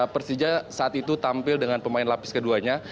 persija saat itu tampil dengan pemain lapis keduanya